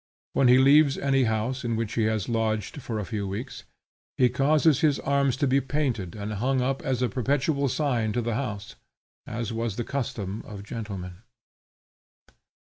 When he leaves any house in which he has lodged for a few weeks, he causes his arms to be painted and hung up as a perpetual sign to the house, as was the custom of gentlemen.